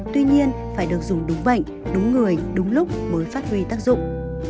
tuy nhiên phải được dùng đúng bệnh đúng người đúng lúc mới phát huy tác dụng